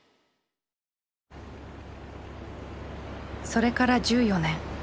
それから１４年。